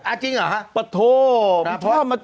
อ้าวจริงเหรอฮะประโธบ